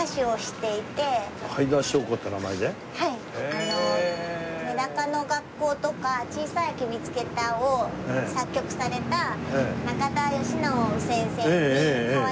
あの『めだかの学校』とか『ちいさい秋みつけた』を作曲された中田喜直先生にかわいがって頂いて。